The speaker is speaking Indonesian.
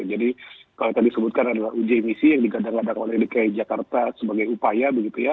jadi kalau tadi disebutkan adalah uji emisi yang digadang gadang oleh dki jakarta sebagai upaya